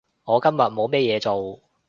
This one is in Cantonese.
我今日冇咩嘢做